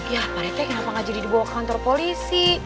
ya padatnya kenapa gak jadi dibawa ke kantor polisi